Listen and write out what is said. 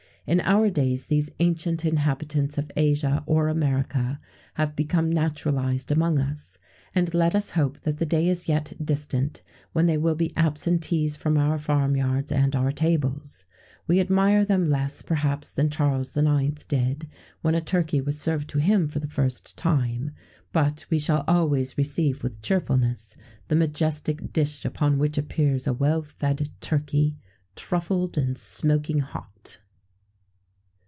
In our days these ancient inhabitants of Asia or America[XVII 111] have become naturalized among us, and let us hope that the day is yet distant when they will be absentees from our farm yards and our tables. We admire them less perhaps than Charles IX. did when a turkey was served to him for the first time,[XVII 112] but we shall always receive with cheerfulness the majestic dish upon which appears a well fed turkey, truffled, and smoking hot.